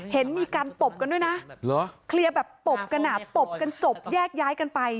เห็นมีการตบกันด้วยนะเคลียร์แบบตบกันอ่ะตบกันจบแยกย้ายกันไป